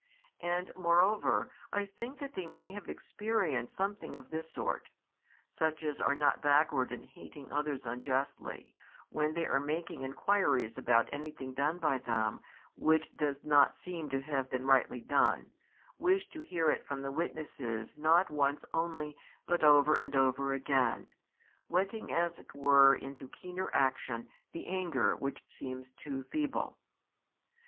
And moreover, I think that they may have experienced something of this sort: such as are not backward in hating others unjustly, when they are making inquiries about anything done by them which does not seem to have been rightly done, wish to hear it from the witnesses not once only but over and over again, whetting as it were into keener action the anger which seems too feeble.